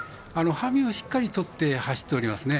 ハミをしっかり取って走っておりますね。